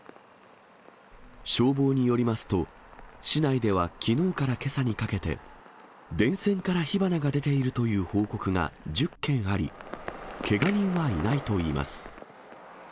消防によりますと、市内ではきのうからけさにかけて、電線から火花が出ているという報告が１０件あり、けが人はいないといいます。